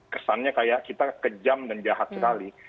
kesannya kayak kita kejam dan jahat sekali